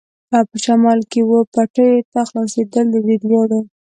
په شمال کې وه پټیو ته خلاصېدل، د دې دواړو.